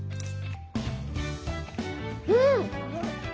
うん！